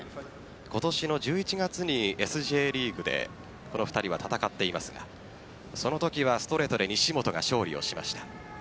今年の１１月にＳＪリーグで２人は戦っていますがそのときはストレートで西本が勝利をしました。